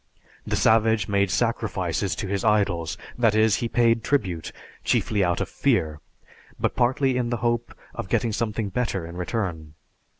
The savage made sacrifices to his idols, that is, he paid tribute, chiefly out of fear, but partly in the hope of getting something better in return.